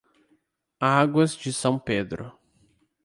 Águas de São Pedro